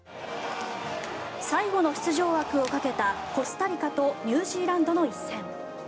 最後の出場枠をかけたコスタリカとニュージーランドの一戦。